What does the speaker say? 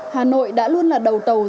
hà nội đã luôn là đầu tàu